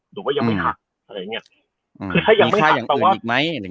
หรือว่ายังไม่หัก